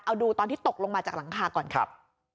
เอาดูตอนที่ตกลงมาจากหลังคาก่อนครับ